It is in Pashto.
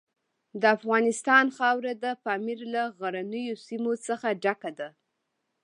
د افغانستان خاوره د پامیر له غرنیو سیمو څخه ډکه ده.